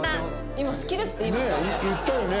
今好きですって言いましたよね。